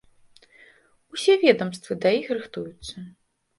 Усе ведамствы да іх рыхтуюцца.